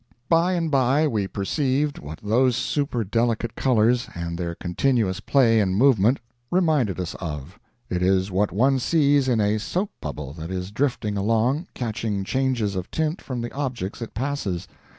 By and by we perceived what those super delicate colors, and their continuous play and movement, reminded us of; it is what one sees in a soap bubble that is drifting along, catching changes of tint from the objects it passes.